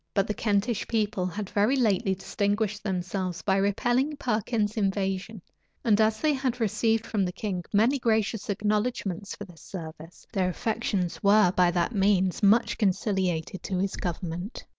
But the Kentish people had very lately distinguished themselves by repelling Perkin's invasion; and as they had received from the king many gracious acknowledgments for this service, their affections were by that means much conciliated to his government.